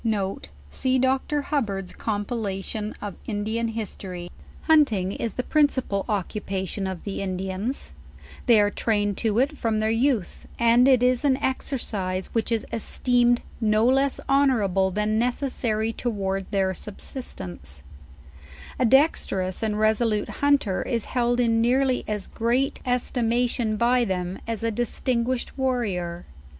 5 '* Hunting is the principal* occupation of the Indians; they are trained to it from their youth, and it is an exercise which is esteemed no less honorable than necessary toward their subsistence. A dexterous and resolute hunter is held in nearly as great estimation by them as a distinguished war rior.